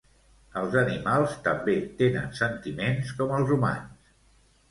Els animals també tenen sentiments com els humans